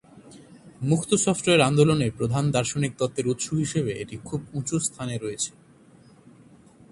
মুক্ত সফটওয়্যার আন্দোলনে প্রধান দার্শনিক তত্ত্বের উৎস হিসেবে এটি খুব উঁচু স্থানে রয়েছে।